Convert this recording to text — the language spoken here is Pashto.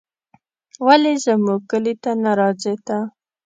ولې زموږ کلي ته نه راځې ته